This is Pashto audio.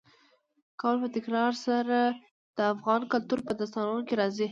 کابل په تکرار سره د افغان کلتور په داستانونو کې راځي.